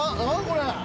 これ。